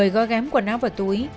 một mươi gói ghém quần áo vào túi